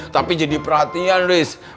tapi jadi perhatian luis